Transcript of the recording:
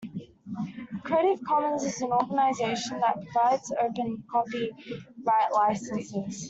Creative Commons is an organisation that provides open copyright licences